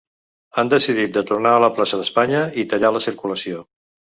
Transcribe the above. Han decidit de tornar a la plaça d’Espanya i tallar la circulació.